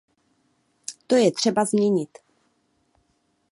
To je třeba změnit.